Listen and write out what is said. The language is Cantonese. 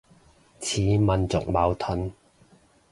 似民族矛盾